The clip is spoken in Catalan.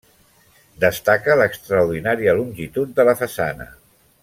Destaca l'extraordinària longitud de la façana.